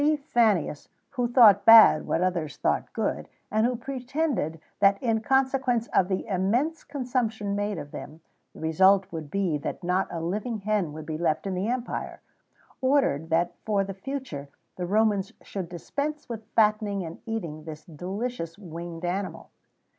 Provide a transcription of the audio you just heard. Fannius, who thought bad what others thought good, and who pretended that in consequence of the immense consumption made of them, the result would be that not a living hen would be left in the empire, ordered that for the future the Romans should dispense with fattening and eating this delicious winged animal.